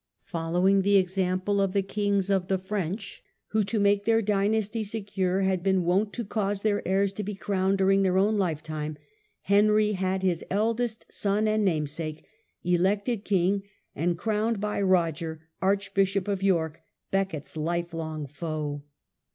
Following the example of the kings of the French, who to make their dynasty secure had been wont to cause their heirs to be crowned during their own lifetime, Henry had his eldest son and namesake elected king, and crowned by Roger, Archbishop of York, Becket's lifelong foe.